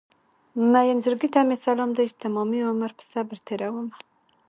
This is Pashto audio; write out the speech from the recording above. مين زړګي ته مې سلام دی چې تمامي عمر په صبر تېرومه